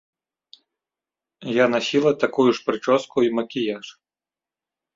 Я насіла такую ж прычоску і макіяж.